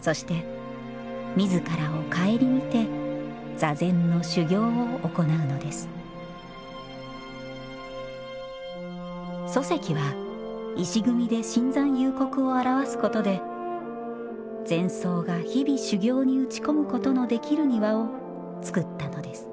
そして自らを省みて座禅の修行を行うのです疎石は石組みで深山幽谷を表すことで禅僧が日々修行に打ち込むことのできる庭をつくったのです